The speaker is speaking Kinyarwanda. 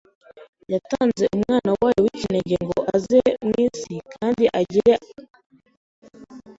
yatanze Umwana wayo w’ikinege ngo aze mu isi, kandi ngo agire akamero k’umuntu,